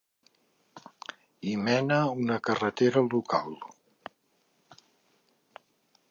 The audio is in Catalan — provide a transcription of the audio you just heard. Hi mena una carretera local.